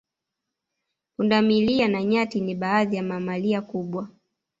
Punda milia na nyati ni baadhi ya mamalia kubwa